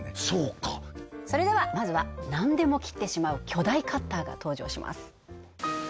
そうかまずは何でも切ってしまう巨大カッターが登場します